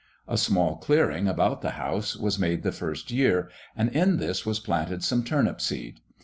A small clearing about the house was made the first year, and in this was planted some turnip seed.